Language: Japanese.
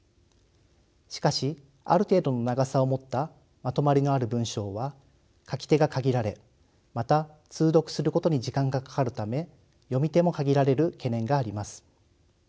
しかしある程度の長さを持ったまとまりのある文章は書き手が限られまた通読することに時間がかかるため読み手も限られる懸念があります。